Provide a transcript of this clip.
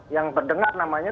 yang berdengar namanya